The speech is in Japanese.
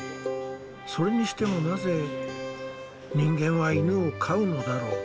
それにしてもなぜ人間は犬を飼うのだろう。